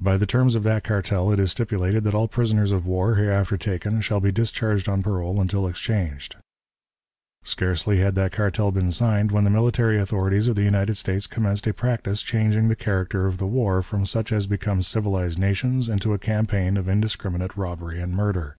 "By the terms of that cartel, it is stipulated that all prisoners of war hereafter taken shall be discharged on parole until exchanged. "Scarcely had that cartel been signed, when the military authorities of the United States commenced a practice changing the character of the war, from such as becomes civilized nations, into a campaign of indiscriminate robbery and murder.